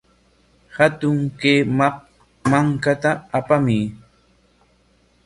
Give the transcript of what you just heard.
Hatun kaq mankata apamuy.